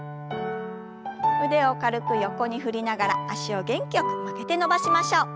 腕を軽く横に振りながら脚を元気よく曲げて伸ばしましょう。